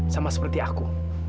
sama seperti aku